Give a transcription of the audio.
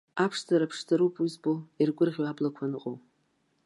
Аԥшӡара ԥшӡароуп уи збо, иаргәырӷьо аблақәа аныҟоу.